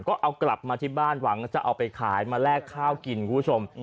ก็เอากลับมาที่บ้านหวังจะเอาไปขายมาแลกข้าวกินคุณผู้ชม